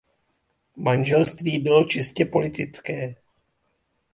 Manželství bylo čistě politické.